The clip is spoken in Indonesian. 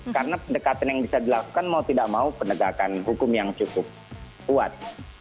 karena pendekatan yang bisa dilakukan mau tidak mau pendekatan hukum yang cukup kuat